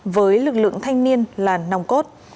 với lực lượng thanh niên là nòng cốt